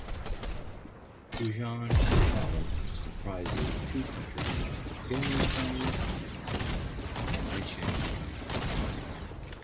Fujian province comprises two counties: Kinmen County and Lienchiang County.